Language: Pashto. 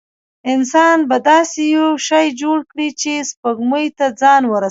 انسان به داسې یو شی جوړ کړي چې سپوږمۍ ته ځان ورسوي.